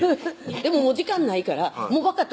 「もう時間ないからもう分かった